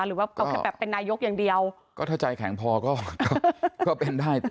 หรือว่าเขาแค่แบบเป็นนายกอย่างเดียวก็ถ้าใจแข็งพอก็เป็นได้